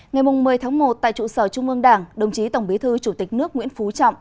ngày một mươi tháng một tại trụ sở trung ương đảng đồng chí tổng bí thư chủ tịch nước nguyễn phú trọng